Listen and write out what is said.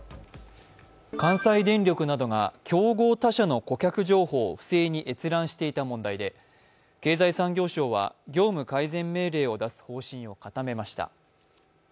関西電力などが競合他社の顧客情報を不正に閲覧していた問題で経済産業省は業務改善命令を出す方針を固めました。